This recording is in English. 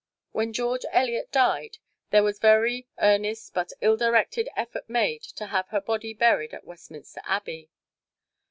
When George Eliot died, there was a very earnest but ill directed effort made to have her body buried in Westminster Abbey.